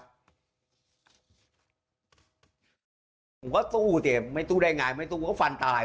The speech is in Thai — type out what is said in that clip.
ผมก็สู้สิไม่สู้ได้ไงไม่สู้ก็ฟันตาย